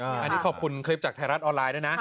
อันนี้ขอบคุณคลิปจากไทยรัฐออนไลน์ด้วยนะ